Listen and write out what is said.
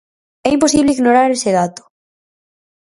É imposible ignorar ese dato.